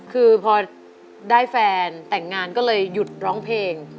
คือพอได้แฟนแต่งงานก็เลยหยุดร้องเพลง